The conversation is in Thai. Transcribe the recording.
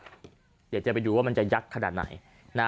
เดี๋ยวจะไปดูว่ามันจะยักษ์ขนาดไหนนะ